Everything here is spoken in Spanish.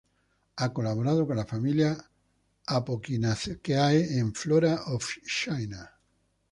Ha colaborado con la familia Apocynaceae en "Flora of China"